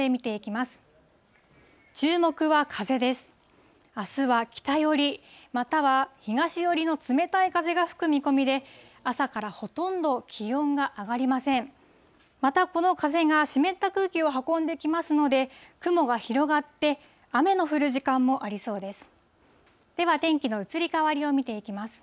またこの風が湿った空気を運んできますので、雲が広がって、雨の降る時間もありそうです。